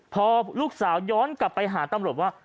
พอลูกสาวย้อนกลับไปหาตำรวจว่า